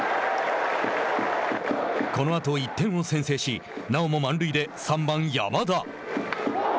このあと１点を先制しなおも満塁で３番山田。